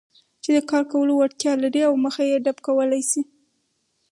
چې د کار کولو وړتیا لري او مخه يې ډب کولای شي.